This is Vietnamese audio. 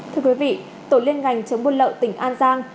thưa quý vị tổ liên ngành chống buôn lậu tỉnh an giang